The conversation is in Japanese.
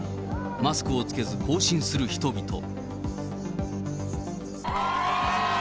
マスクを着けず、行進する人々。